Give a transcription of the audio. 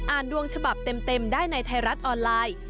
ดวงฉบับเต็มได้ในไทยรัฐออนไลน์